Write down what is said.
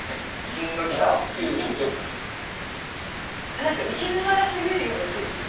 何か受けながら攻めるような手ですね。